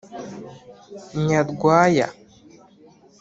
Nyarwaya